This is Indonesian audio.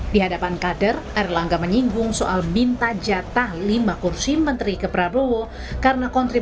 di hadapan kader erlangga menyinggung soal minta jatah lima kursi menteri ke prabowo karena kontribusi